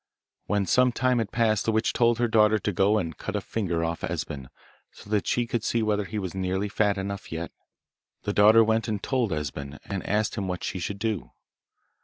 When some time had passed the witch told her daughter to go and cut a finger off Esben, so that she could see whether he was nearly fat enough yet. The daughter went and told Esben, and asked him what she should do.